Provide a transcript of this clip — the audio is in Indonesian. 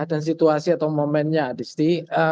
dan situasi atau momennya disti